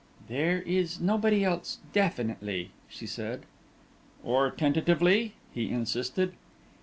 "There is nobody else definitely," she said. "Or tentatively?" he insisted.